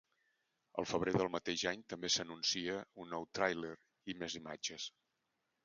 Al febrer del mateix any també s'anuncia un nou tràiler i més imatges.